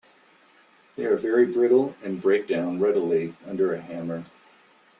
They are very brittle and break down readily under a hammer.